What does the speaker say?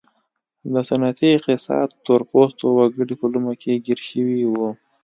د سنتي اقتصاد تور پوستي وګړي په لومه کې ګیر شوي وو.